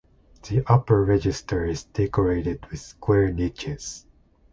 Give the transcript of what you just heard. The upper register is decorated with square niches.